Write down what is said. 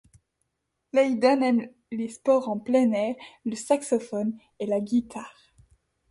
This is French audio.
Leyden aime les sports en plein air, le saxophone et la guitare.